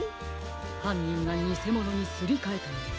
はんにんがにせものにすりかえたのです。